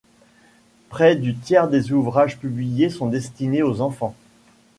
Près du tiers des ouvrages publiés sont destinés aux enfants.